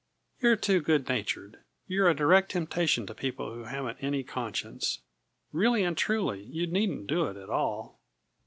You're too good natured. You're a direct temptation to people who haven't any conscience. Really and truly, you needn't do it at all."